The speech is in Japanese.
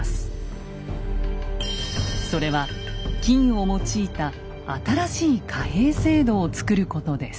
それは金を用いた新しい貨幣制度をつくることです。